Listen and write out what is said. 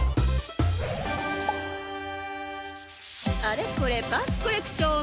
あれこれパンツコレクション！